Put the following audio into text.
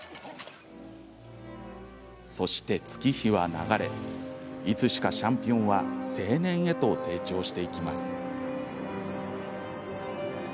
そして、月日は流れいつしかシャンピオンは青年へと成長していきます。